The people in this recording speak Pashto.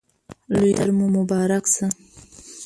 لوی اختر مو مبارک شه!